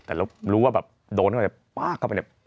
แต่รู้ว่าแบบโดนเขาจะป๊ากเข้าไปแบบ